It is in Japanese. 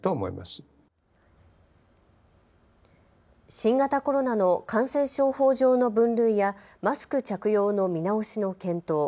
新型コロナの感染症法上の分類やマスク着用の見直しの検討。